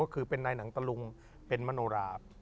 ก็คือเป็นนายหนังตะลุงเป็นมโนรา